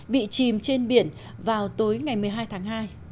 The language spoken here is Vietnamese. bị chìm trên biển vào tối ngày một mươi hai tháng hai